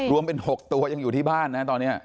รวมเป็น๖ตัวยังอยู่ที่บ้านนะตอนนี้